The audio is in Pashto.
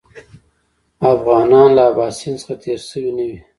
افغانان له اباسین څخه تېر شوي نه وي.